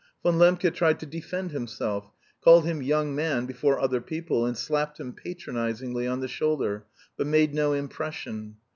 Von Lembke tried to defend himself, called him "young man" before other people, and slapped him patronisingly on the shoulder, but made no impression.